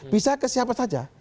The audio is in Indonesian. bisa ke siapa saja